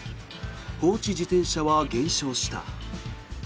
放置自転車は減少した。